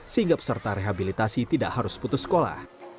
sehingga peserta rehabilitasi tidak harus putus sekolah